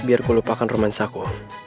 biar ku lupakan romansaku